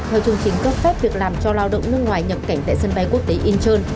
theo chương trình cấp phép việc làm cho lao động nước ngoài nhập cảnh tại sân bay quốc tế incheon